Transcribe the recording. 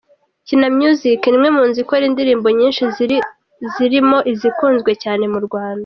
Kina Music ni imwe mu nzu ikora indirimbo nyinshi zirimi izikunzwe cyane mu Rwanda.